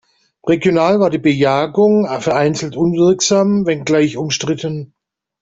Regional war die Bejagung vereinzelt wirksam, wenngleich umstritten.